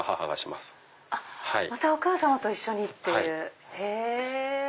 またお母様と一緒にっていうへぇ！